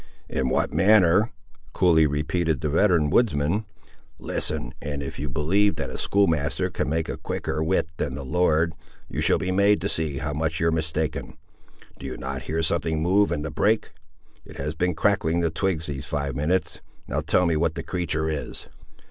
"In what manner!" coolly repeated the veteran woodsman. "Listen; and if you believe that a schoolmaster can make a quicker wit than the Lord, you shall be made to see how much you're mistaken. Do you not hear something move in the brake? it has been cracking the twigs these five minutes. Now tell me what the creatur' is?"